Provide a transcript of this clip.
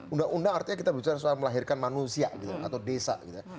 undang undang artinya kita berbicara soal melahirkan manusia atau desa